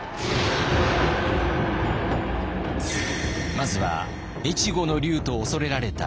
まずは越後の龍と恐れられた上杉謙信。